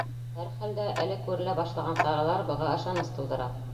Һәр хәлдә, әле күрелә башлаған саралар быға ышаныс тыуҙыра.